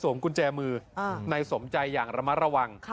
กุญแจมือในสมใจอย่างระมัดระวัง